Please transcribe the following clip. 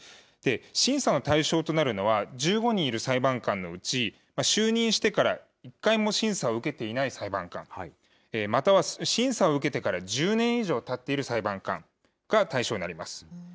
審査の対象となるのは、１５人いる裁判官のうち、就任してから１回も審査を受けていない裁判官、または、審査を受けてから１０年以上たっている裁判官が対象になります。